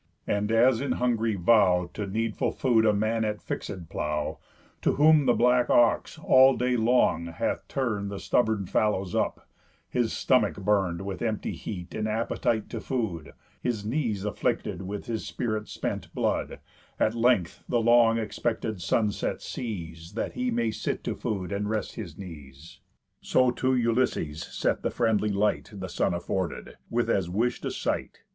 And as in hungry vow To needful food a man at fixéd plow (To whom the black ox all day long hath turn'd The stubborn fallows up, his stomach burn'd With empty heat and appetite to food, His knees afflicted with his spirit spent blood) At length the long expected sunset sees, That he may sit to food, and rest his knees; So to Ulysses set the friendly light The sun afforded, with as wish'd a sight.